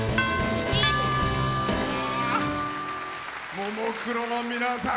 ももクロの皆さん